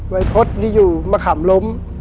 วัยพศนี่อยู่มะขำล้ม